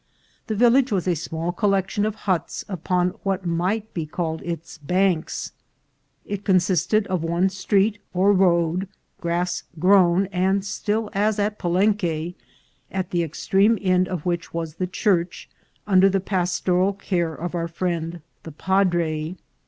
The village was a small collection of huts upon what might be called its banks. It consisted of one street or road, grass grown and still as at Palenque, at the extreme end of which was the church, under the pastoral care of our friend the padre.